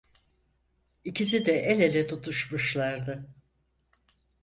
İkisi de el ele tutuşmuşlardı.